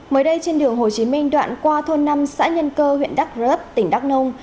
mới đây trên đường hồ chí minh đoạn qua thôn năm xã nhân cơ huyện đắk rớp tỉnh đắk nông